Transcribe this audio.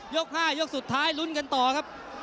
๕ยกสุดท้ายลุ้นกันต่อครับ